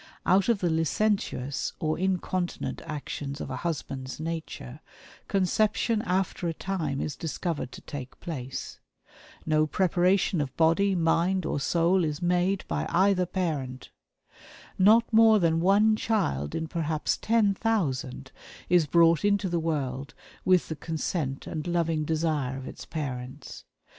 Out of the licentious or incontinent actions of a husband's nature, conception after a time is discovered to take place. No preparation of body, mind, or soul is made by either parent. Not more than one child in perhaps ten thousand is brought into the world with the consent and loving desire of its parents.